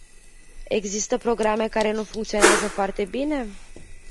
Există programe care nu funcționează foarte bine?